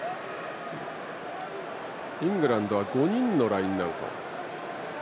イングランドは５人のラインアウト。